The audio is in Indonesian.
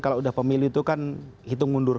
kalau udah pemilih itu kan hitung mundur